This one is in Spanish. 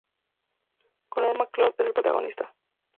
Connor MacLeod es el protagonista.